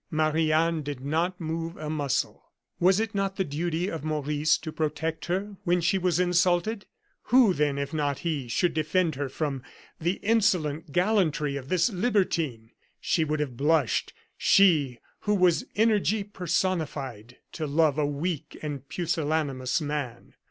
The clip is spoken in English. Marie Anne did not move a muscle. Was it not the duty of Maurice to protect her when she was insulted? Who, then, if not he, should defend her from the insolent gallantry of this libertine? She would have blushed, she who was energy personified, to love a weak and pusillanimous man.